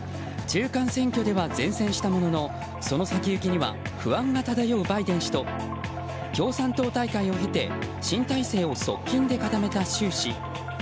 中間選挙では善戦したもののその先行きには不安が漂うバイデン氏と共産党大会を経て新体制を側近で固めた習氏。